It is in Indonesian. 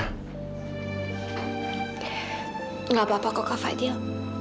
tidak apa apa kok kak fadil